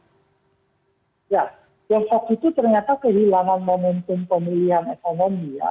ya tiongkok itu ternyata kehilangan momentum pemulihan ekonomi ya